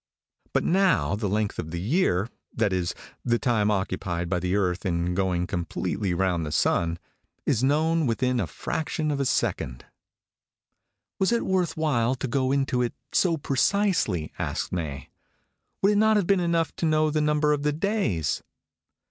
But now the length of the year that is, the time occupied by the earth in going completely round the sun is known within a fraction of a second." "Was it worth while to go into it so precisely?" asked May. "Would it not have been enough to know the number of the days?"